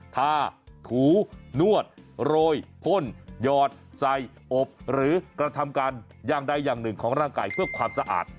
ถ้าถูนวดโรยพ่นหยอดใส่อบหรือกระทำการอย่างใดอย่างหนึ่งของร่างกายเพื่อความสะอาด